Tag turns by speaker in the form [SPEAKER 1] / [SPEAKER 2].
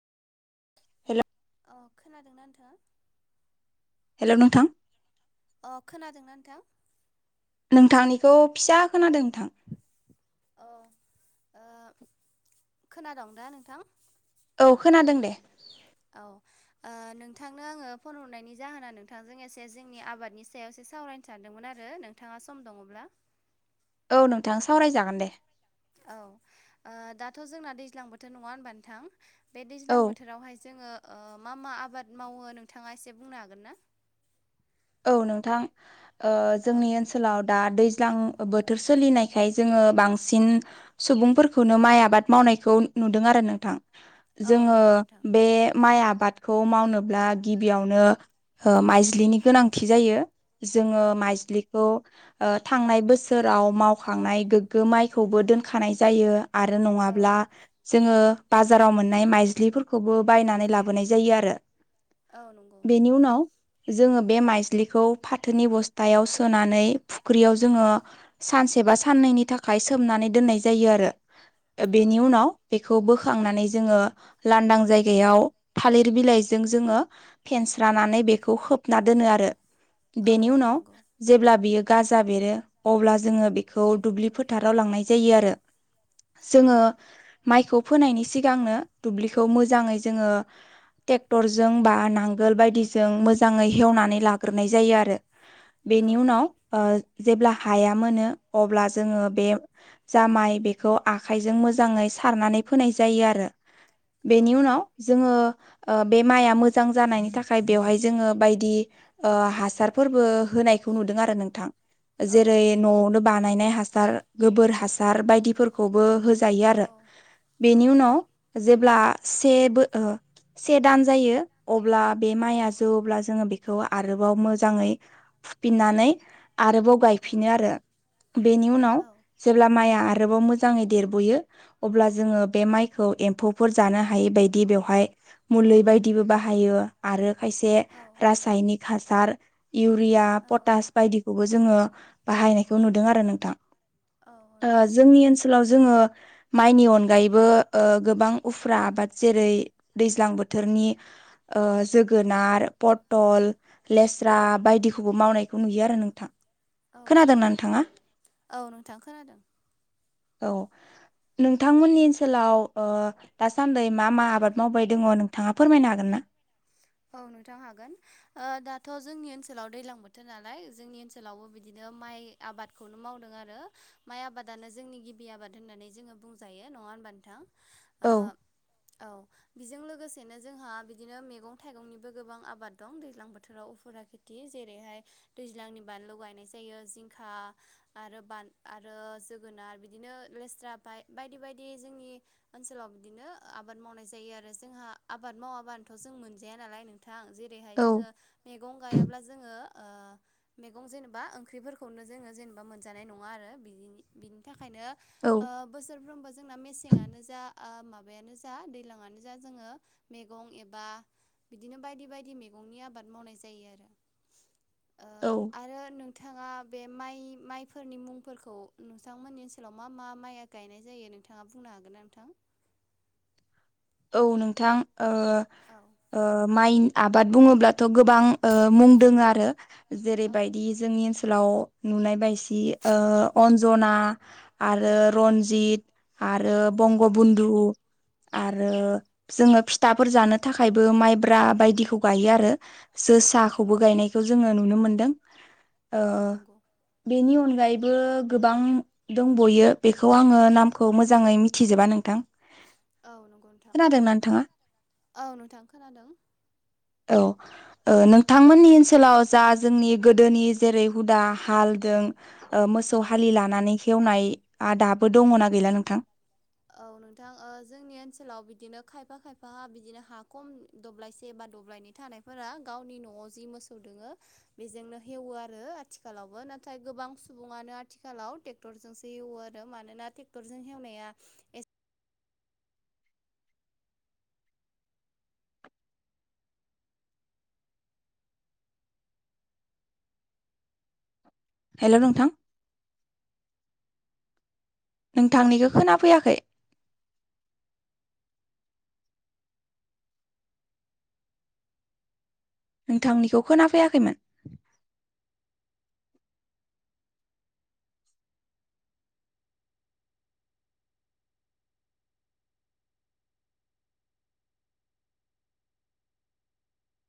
[SPEAKER 1] हेल'
[SPEAKER 2] अ खोनादोंना नोंथां
[SPEAKER 1] हेल' नोंथां
[SPEAKER 2] अ खोनादोंना नोंथां
[SPEAKER 1] नोंथांनिखौ फिसा खोनादों नोंथां
[SPEAKER 2] औ ओ खोनादों दा नोंथां
[SPEAKER 1] औ खोनादों दे
[SPEAKER 2] औ ओ नोंथांनो आङो फन हरनायनि जाहोना नोंथांजों एसे जोंनि आबादनि सायावसो सावरायनो सानदोंमोन आरो नोंथाङा सम दङब्ला
[SPEAKER 1] औ नोंथां सावरायजागोन दे
[SPEAKER 2] औ ओह दाथ' जोंना दैज्लां बोथोर नङा होनबा नोंथां बे
[SPEAKER 1] औ
[SPEAKER 2] दैज्लां बोथोरावहाय जोङो ओ मा मा आबाद मावो नोंथाङा एसे बुंनो हागोन ना
[SPEAKER 1] औ नोंथां ओह
[SPEAKER 2] औ
[SPEAKER 1] जोंनि ओनसोलाव दा दैज्लां बोथोर सोलिनायखाय जोङो बांसिन सुबुंफोरखौनो माइ आबाद मावनायखौ नुदों आरो नोंथां
[SPEAKER 2] औ
[SPEAKER 1] जोङो
[SPEAKER 2] नंगौ नोंथां
[SPEAKER 1] बे माइ आ बादखौ मावनोब्ला गिबियावनो माइज्लिनि गोनांथि जायो जोङो
[SPEAKER 2] औ
[SPEAKER 1] माइज्लिखौ ओ थांनाय बोसोराव मावखांनाय गोग्गो माइखौबो दोनखानाय जायो आरो नङाब्ला
[SPEAKER 2] औ
[SPEAKER 1] जोङो बाजाराव मोननाय माइज्लिफोरखौबो बायनानै लाबोनाय जायो आरो
[SPEAKER 2] औ नंगौ
[SPEAKER 1] बेनि उनाव जोङो बे माइ ज्लिखौ फाथोनि बस्थायाव सोनानै फुख्रियाव जोङो सानसेबा साननैनि थाखाय सोमनानै दोननाय जायो आरो
[SPEAKER 2] औ
[SPEAKER 1] बेनि उनाव बेखौ बोखांनानै जोङो लांदां जायगायाव थालिर बिलाइजों जोङो फेनस्रा नानै बेखौ खोबना दोनो आरो
[SPEAKER 2] औ
[SPEAKER 1] बेनि
[SPEAKER 2] औ
[SPEAKER 1] उनाव
[SPEAKER 2] नंगौ
[SPEAKER 1] जेब्ला बियो गाजा बेरो अब्ला जोङो बेखौ दुब्लि फोथाराव लांनाय जायो आरो
[SPEAKER 2] औ
[SPEAKER 1] जोङो माइखौ फोनायनि सिगांनो दुब्लिखौ मोजाङै जोङो ट्रेक्टरजों बा नांगोल बायदिजों मोजाङै हेवनानै ला ग्रोननाय जायो आरो
[SPEAKER 2] औ
[SPEAKER 1] बेनि उनाव जेब्ला हाया मोनो अब्ला जोङो बे जामाइ बेखौ आखाइजों मोजाङै सारनानै फोनाय जायो आरो बेनि उनाव
[SPEAKER 2] नंगौ
[SPEAKER 1] जोङो बे माइआ मोजां जानायनि थाखाय बेवहाय जोङो बायदि हासारफोरबो होनायखौ नुदों आरो नोंथां
[SPEAKER 2] औ
[SPEAKER 1] जेरै
[SPEAKER 2] औ नंगौ नोंथां
[SPEAKER 1] न'आवनो बानायनाय हास र गोबोर हासार बायदिफोरखौबो होजायो
[SPEAKER 2] औ
[SPEAKER 1] आरो बेनि उनाव जेब्ला सेबो से दान जायो अब्ला बे माइआ जौवोब्ला जोङो बेखौ आरोबाव मोजाङै फुफिननानै आरोबाव गायफिनो आरो बेनि उनाव
[SPEAKER 2] औ
[SPEAKER 1] जेब्ला माइआ आरोबाव मोजाङै देरबोयो अब्ला जोङो बे माइखौ एमफौफोर जानो हायै बायदि बेवहाय मुलि बायदिबो बाहायो आरो खायसे
[SPEAKER 2] औ
[SPEAKER 1] रासायनिक हासार इउरिया
[SPEAKER 2] औ
[SPEAKER 1] पटास बायदिखौबो जोङो बाहायनायखौ नुदों आरो नोंथां
[SPEAKER 2] औ नंगौ
[SPEAKER 1] जोंनि ओनसोलाव जोङो माइनि अनगायैबो गोबां उफ्रा आबाद जेरै दैज्लां बोथोरनि जोगोनार पटल लेस्रा बायदिखौबो मावनायखौ नुयो आरो नोंथां
[SPEAKER 2] औ
[SPEAKER 1] खोनादोंना
[SPEAKER 2] नंगौ नोंथां
[SPEAKER 1] नोंथाङा
[SPEAKER 2] औ नोंथां खोनादों
[SPEAKER 1] औ
[SPEAKER 2] [inaudible]
[SPEAKER 1] नोंथांमोननि ओनसोलाव दासान्दै मा मा आबाद मावबाय दङ नोंथाङा फोरमायनो हागोन ना?
[SPEAKER 2] [inaudible] औ नोंथां हागोन दाथ' जोंनि ओनसोलाव दैलां बोथोर नालाय जोंनि ओनसोलावबो बिदिनो माइ आबादखौनो मावदों आरो माइ आबादानो जोंनि गिबि आबाद होननानै जोङो बुंजायो नङा होनबा नोंथां
[SPEAKER 1] औ
[SPEAKER 2] ओ औ बेजों लोगोसेनो जोंहा बिदिनो मेगं थाइगंनिबो गोबां आबाद दं दैज्लां बोथोराव फोरा खेथि जेरैहाय दैज्लांनि बानलु गायनाय जायो यो जिंखा आरो बान आरो जोगोनाद बिदिनो लेस्रा ओमफ्राय बायदि बायदि बे जोंनि ओनसोलाव बिदिनो आबाद मावनाय जायो आरो जोंहा आबाद मावाबानोथ' जों मोन जाया नालाय नोंथां जेरैहाय
[SPEAKER 1] औ
[SPEAKER 2] जोङो मैगं गायाब्ला जोङो मैगं जेनेबा ओंख्रिफोरखौनो जोङो जेनेबा मोनजानाय नङा आरो बि बिनि थाखाय
[SPEAKER 1] औ
[SPEAKER 2] खायनो बोसोरफ्रोमबो जोंना मेसेंआनो जा ओ मा माबायानो जा दैज्लांआनो जा जोङो मैगं एबा बिदिनो बायदि बायदि मैगंनि आबाद मावनाय जायो आरो
[SPEAKER 1] औ
[SPEAKER 2] ओ आरो नोंथाङा बे माइ माइफोरनि मुंफोरखौ नोंथांमोननि ओनसोलाव मा मा माइया गायनाय जायो दे नोंथाङा बुंनो हागोन ना नोंथां?
[SPEAKER 1] औ नोंथां
[SPEAKER 2] औ
[SPEAKER 1] माइ आबाद बुङोब्ला थ' गोबां मुं दोङो आरो
[SPEAKER 2] औ
[SPEAKER 1] जेरैबायदि जोंनि ओनसोल लाव नुनाय बायदि अन्जना आरो रनजित आरो
[SPEAKER 2] औ
[SPEAKER 1] बंग बन्धु आरो आरो जोङो फिथाफोर जानो थाखायबो माइब्रा बायदिखौ गायो आरो
[SPEAKER 2] औ
[SPEAKER 1] जोसाखौबो गायनायखौ जोङो नुनो मोन्दों
[SPEAKER 2] औ नंगौ
[SPEAKER 1] बेनि अन फ्रायबो गोबां दंब'यो बेखौ आङो नामखौ मोजाङै मिथिजोबा नोंथां
[SPEAKER 2] औ नंगौ नोंथां
[SPEAKER 1] खोनादोंना नोंथाङा
[SPEAKER 2] औ नोंथां खोनादों
[SPEAKER 1] औ नोंथांमोननि ओनसोलाव जा जोंनि गोदोनि जेरै हुदा हालजों मोसौ
[SPEAKER 2] औ
[SPEAKER 1] हालि लानानै एवनाय दाबो दङना गैला नोंथां
[SPEAKER 2] औ नोंथां जोंनि ओनसोलाव बिदिनो खायफा खायफा बिदिनो हा खम दब्लायसे बा दब्लायनि थानायफोरा गावनि न'आव जि मोसौ दोङो बेजोंनो हेवो आरो आथिखालावबो नाथाय गोबां सुबुङानो आथिखालाव ट्रेक्टरजोंसो एवो आरो मानोना ट्रेक्टरजों हेवनाया एस
[SPEAKER 1] हेल' नोंथां नोंथांनिखौ खोना फैयाखै नोंथांनिखौ खोना फैयाखैमोन